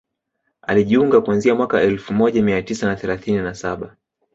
alijiunga kuanzia mwaka elfu moja mia tisa na thelathini na saba